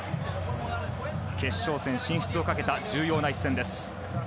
決勝戦進出をかけた重要な一戦です。